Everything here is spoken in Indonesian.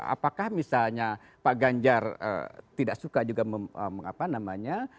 apakah misalnya pak ganjar tidak suka juga mengapa namanya